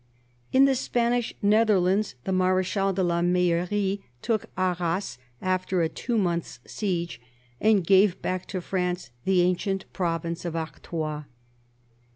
In the Spanish Netherlands, the Mar^chal de la Meil leraye took Arras after a two months' siege, and gave back to France the ancient province of Artois.